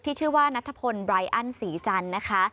ที่ชื่อว่าณัฐพลบรายอันศรีจันทร์นะคะ